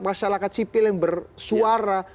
masyarakat sipil yang bersuara